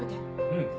うん。